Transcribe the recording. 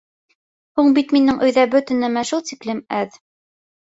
— Һуң бит минең өйҙә бөтә нәмә шул тиклем әҙ...